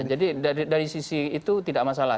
jadi dari sisi itu tidak masalah